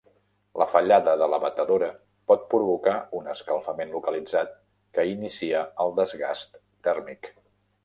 La fallada de la batedora pot provocar un escalfament localitzat, que inicia el desgast tèrmic.